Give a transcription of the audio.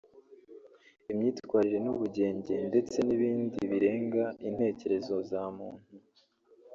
imyitwarire n’ubugenge ndetse n’ibindi birenga intekerezo za muntu